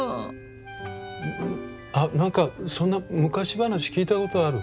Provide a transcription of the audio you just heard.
んあっなんかそんな昔話聞いたことある。